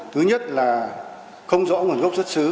thứ nhất là không rõ nguồn gốc xuất xứ